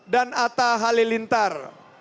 dan atta halilintar